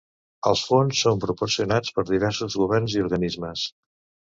Els fons són proporcionats per diversos governs i organismes.